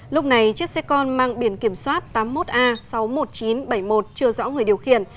lúc này chiếc xe con mang biển kiểm soát tám mươi một a sáu mươi một nghìn chín trăm bảy mươi một chưa rõ người điều khiển